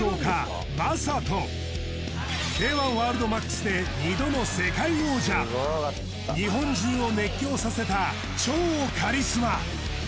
Ｋ−１ＷＯＲＬＤＭＡＸで２度の世界王者日本中を熱狂させた超カリスマ